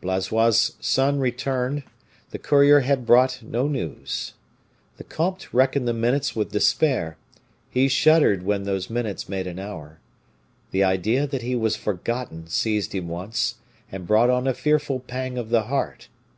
Blaisois's son returned; the courier had brought no news. The comte reckoned the minutes with despair; he shuddered when those minutes made an hour. The idea that he was forgotten seized him once, and brought on a fearful pang of the heart.